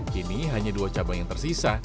kini hanya dua cabang yang tersisa